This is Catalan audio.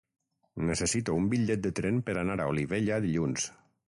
Necessito un bitllet de tren per anar a Olivella dilluns.